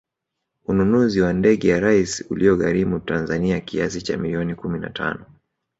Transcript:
Ununuzi wa ndege ya Rais ulioigharimu Tanzania kiasi cha milioni kumi na tano